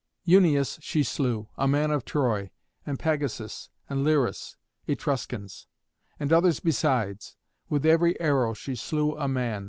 Euneüs she slew, a man of Troy; and Pagasus and Liris, Etruscans; and others besides. With every arrow she slew a man.